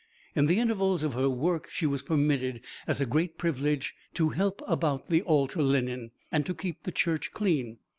In the intervals of her work she was permitted as a great privilege to help about the altar linen, and keep the church clean.